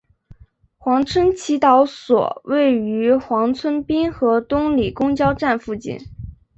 黄村祈祷所位于黄村滨河东里公交站附近。